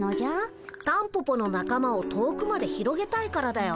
タンポポの仲間を遠くまで広げたいからだよ。